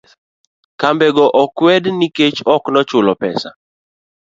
Kambe go bende okwed nikech oknochulo pesa